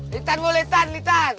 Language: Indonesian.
litan litan litan